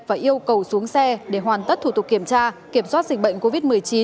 và yêu cầu xuống xe để hoàn tất thủ tục kiểm tra kiểm soát dịch bệnh covid một mươi chín